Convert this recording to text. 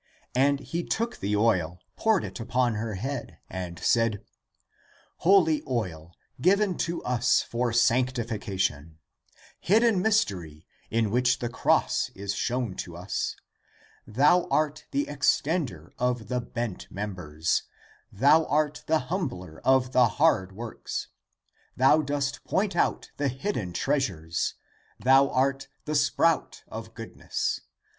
And he took the oil, poured it upon her head, and said, " Holy oil, given to us for sanctification ; hidden mystery, in which the cross is shown to us ;' thou art the extender of the bent members; thou art the humbler of the hard works; thou dost point out the hidden treasures ; thou art the sproud of good ness.